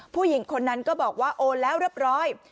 ผู้หญิงคนนั้นก็บอกว่าโอนแล้วเรียบร้อย